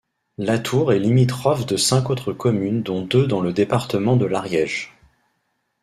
Latour est limitrophe de cinq autres communes dont deux dans le département de l'Ariège.